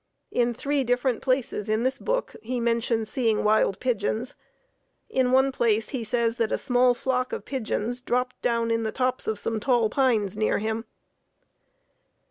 In three different places in this book he mentions seeing wild pigeons. In one place he says that a small flock of pigeons dropped down in the tops of some tall pines near him.